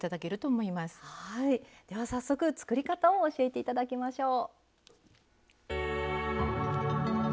では早速作り方を教えて頂きましょう。